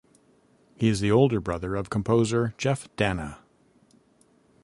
He is the older brother of composer Jeff Danna.